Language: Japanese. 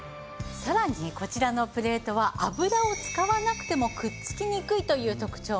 さらにこちらのプレートは油を使わなくてもくっつきにくいという特長もあります。